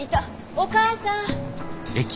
お母さん。